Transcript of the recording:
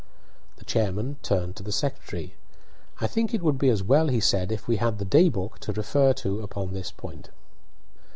The chairman turned to the secretary. "I think it would be as well," he said, "if we had the day book to refer to upon this point."